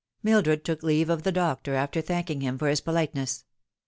Mildred took leave of the doctor, after thanking him for his politeness.